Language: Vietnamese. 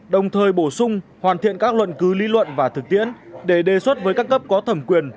đồng thời bổ sung hoàn thiện các luận cứ lý luận và thực tiễn để đề xuất với các cấp có thẩm quyền